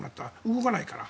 動かないから。